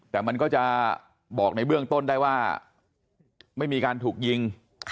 แต่มันก็จะบอกในเบื้องต้นได้ว่าไม่มีการถูกยิง